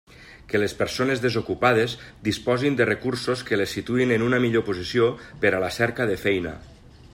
Que les persones desocupades disposin de recursos que les situïn en una millor posició per a la cerca de feina.